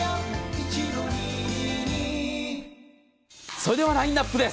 それではラインアップです。